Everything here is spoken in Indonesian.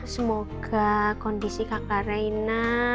semoga kondisi kakak reina